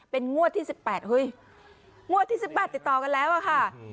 เป็นงวดที่๑๘เฮ้ยงวดที่๑๘ติดต่อกันแล้วอะค่ะ